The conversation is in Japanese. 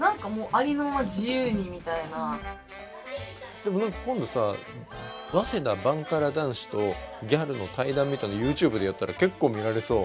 でも何か今度さ早稲田バンカラ男子とギャルの対談みたいなのＹｏｕＴｕｂｅでやったら結構見られそう。